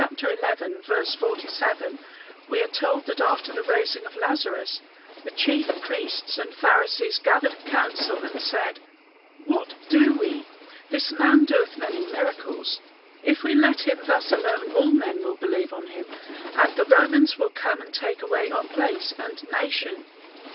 47, we are told that after the raising of Lazarus the chief priests and Pharisees gathered a council and said, "What do we? this man doeth many miracles. If we let him thus alone all men will believe on him, and the Romans will come and take away our place and nation."